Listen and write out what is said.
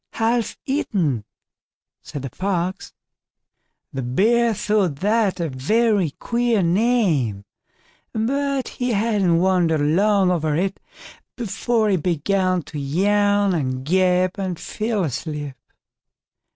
"Half eaten", said the Fox. The Bear thought that a very queer name, but he hadn't wondered long over it before he began to yawn and gape and fell asleep.